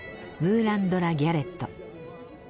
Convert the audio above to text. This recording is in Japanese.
ムーラン・ド・ラ・ギャレット。